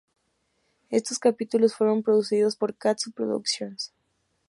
Estos capítulos fueron producidos por Katsu Productions.